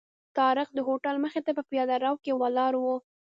طارق د هوټل مخې ته په پیاده رو کې ولاړ و.